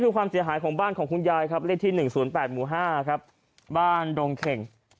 ความเสียหายของบ้านของคุณยายเลขที่๑๐๘๕บ้านดงเข่ง